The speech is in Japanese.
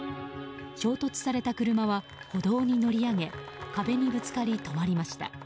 衝突された車は歩道に乗り上げ壁にぶつかり止まりました。